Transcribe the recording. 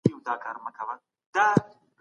آیا دا تصور لرئ، چي ستاسو رسنۍ به د دغو هيوادونو